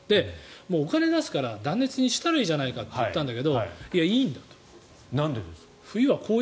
お金を出すから断熱にしたらいいじゃないかと言ったんだけどなんでですか？